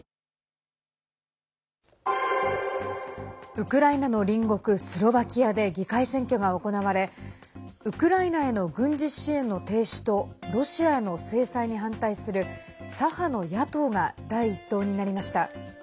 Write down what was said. ウクライナの隣国スロバキアで議会選挙が行われウクライナへの軍事支援の停止とロシアへの制裁に反対する左派の野党が第１党になりました。